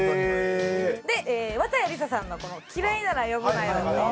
で綿矢りささんの『嫌いなら呼ぶなよ』っていう。